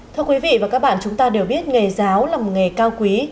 thưa quý vị và các bạn chúng ta đều biết nghề giáo là một nghề cao quý